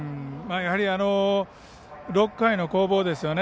やはり６回の攻防ですよね。